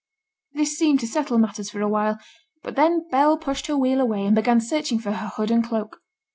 This seemed to settle matters for a while; but then Bell pushed her wheel away, and began searching for her hood and cloak.